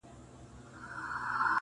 او بخښنه مي له خدایه څخه غواړم!!